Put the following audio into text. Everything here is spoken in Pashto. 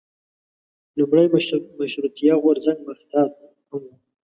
لومړی مشروطیه غورځنګ محتاط هم و.